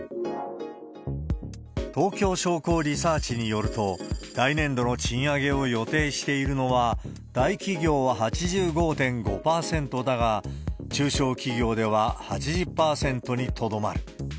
東京商工リサーチによると、来年度の賃上げを予定しているのは、大企業は８５．５％だが、中小企業では８０％にとどまる。